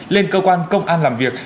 lên cơ quan công an làm việc